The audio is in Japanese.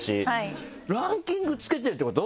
ランキングつけてるってこと？